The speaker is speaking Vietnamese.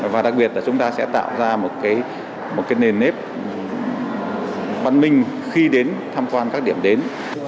và đặc biệt là chúng ta sẽ tạo ra một nền nếp văn minh khi đến tham quan các điểm đến